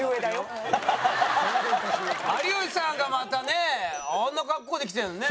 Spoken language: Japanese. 有吉さんがまたねあんな格好で来てるのね。